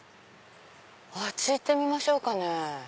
あっち行ってみましょうかね。